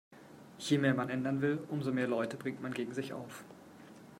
Je mehr man ändern will, umso mehr Leute bringt man gegen sich auf.